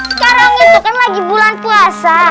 sekarang itu kan lagi bulan puasa